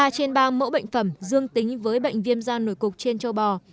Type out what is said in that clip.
ba trên ba mẫu bệnh phẩm dương tính với bệnh viêm da nổi cục trên châu bò